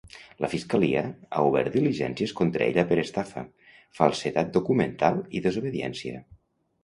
La fiscalia ha obert diligències contra ella per estafa, falsedat documental i desobediència.